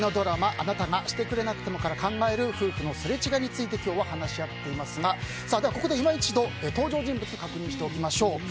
「あなたがしてくれなくても」から考える夫婦のすれ違いについて今日は話し合っていますがここで今一度登場人物を確認しておきましょう。